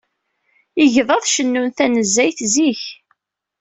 Igḍaḍ cennun tanezzayt zik.